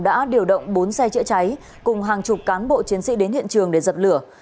đã điều động bốn xe chữa cháy cùng hàng chục cán bộ chiến sĩ đến hiện trường để dập lửa